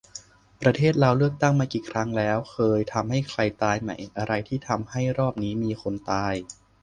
ประเทศเราเลือกตั้งมากี่ครั้งแล้ว เคยทำให้ใครตายไหม ? อะไรที่ทำให้รอบนี้มีคนตาย ?